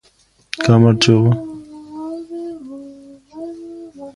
This is known a katabatic wind or mountain breeze.